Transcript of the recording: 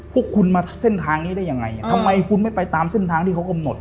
พวกคุณมาเส้นทางนี้ได้ยังไงทำไมคุณไม่ไปตามเส้นทางที่เขากำหนด